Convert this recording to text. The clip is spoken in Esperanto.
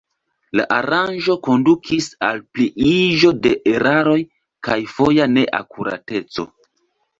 La aranĝo kondukis al pliiĝo de eraroj kaj foja neakurateco.